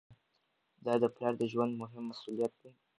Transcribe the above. دا د پلار د ژوند مهم مسؤلیت دی.